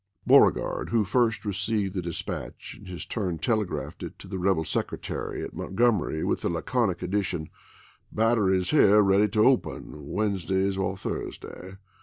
Beauregard, who first received the dispatch, in his turn telegraphed it to the rebel secretary at Mont Jl^d to gomery with the laconic addition :" Batteries here aS?i86i. ready to open Wednesday or Thursday.